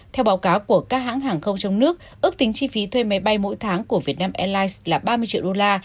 theo báo cáo của các hãng hàng không trong nước ước tính chi phí thuê máy bay mỗi tháng của vietnam airlines là ba mươi triệu đô la